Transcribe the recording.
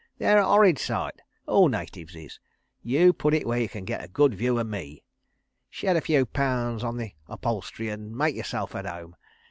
"They're a 'orrid sight. ... All natives is. ... You putt it where you kin get a good voo o' me. ... Shed a few paounds o' the hup'olstery and maike yerself atome.